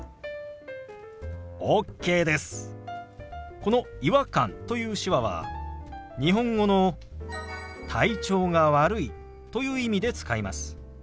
この「違和感」という手話は日本語の「体調が悪い」という意味で使います。